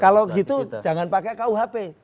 kalau gitu jangan pakai kuhp